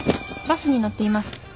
バスに乗っています。